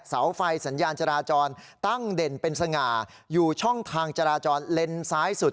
เสาไฟสัญญาณจราจรตั้งเด่นเป็นสง่าอยู่ช่องทางจราจรเลนซ้ายสุด